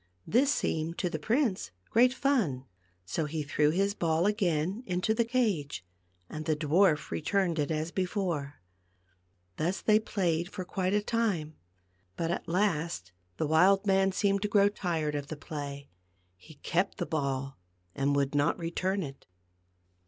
This seemed to the prince great fun, so he threw his ball again into the cage, and the dwarf returned it as before. Thus they played for quite a time. But at last the wild man seemed to grow tired of the play ; he kept the ball and would not return it.